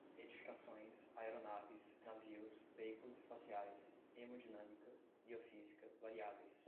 edificações, aeronaves, navios, veículos espaciais, hemodinâmica, biofísica, variáveis